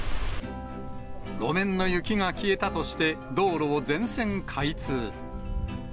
路面の雪が消えたとして、道路を全線開通。